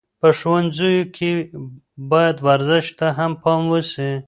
په ښوونځیو کې باید ورزش ته هم پام وسي.